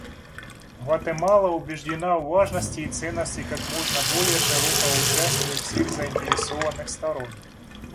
Гватемала убеждена в важности и ценности как можно более широкого участия всех заинтересованных сторон.